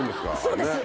そうです。